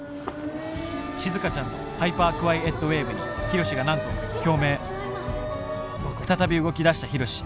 しずかちゃんのハイパークワイエットウェーブにヒロシがなんと共鳴。再び動きだしたヒロシ。